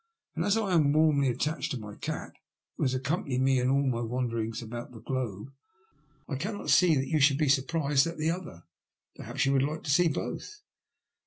And as I am warmly attached to my cat, who has accompanied me in all my wanderings about the globe, I cannot see that you should be surprised at the other. Perhaps you would like to see both?"